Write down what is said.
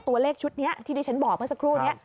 ตัวเลขชุดนี้ที่ดิฉันบอกเมื่อสักครู่นี้